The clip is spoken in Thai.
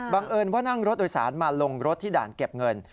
เอิญว่านั่งรถโดยสารมาลงรถที่ด่านเก็บเงิน